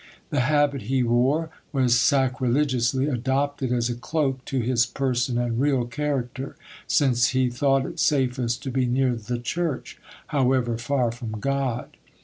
The habit he wore was sacrilegiously adopted as a cloak to his person and real character, since he thought it safest to be near the church, however far from God.